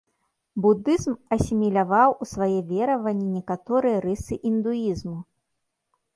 Будызм асіміляваў ў свае вераванні некаторыя рысы індуізму.